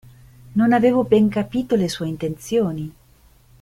Non avevo ben capito le sue intenzioni.